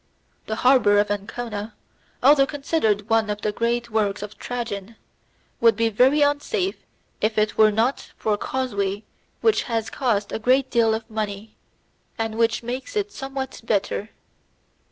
The harbour of Ancona, although considered one of the great works of Trajan, would be very unsafe if it were not for a causeway which has cost a great deal of money, and which makes it some what better.